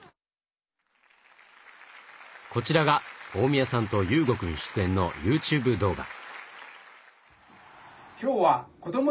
こちらが大宮さんと雄悟くん出演のＹｏｕＴｕｂｅ動画。